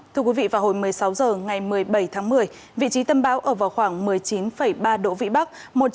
thưa quý vị vào hồi một mươi sáu h ngày một mươi bảy tháng một mươi vị trí tâm bão ở vào khoảng một mươi chín ba độ vĩ bắc